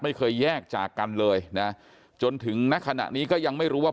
ไม่เคยแยกจากกันเลยนะจนถึงณขณะนี้ก็ยังไม่รู้ว่า